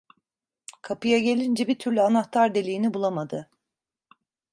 Kapıya gelince, bir türlü anahtar deliğini bulamadı.